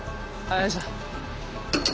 おいしょ。